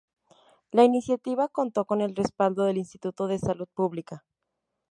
La iniciativa contó con el respaldo del Instituto de Salud Pública.